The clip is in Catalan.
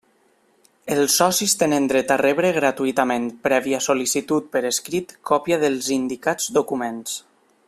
Els socis tenen dret a rebre gratuïtament, prèvia sol·licitud per escrit, còpia dels indicats documents.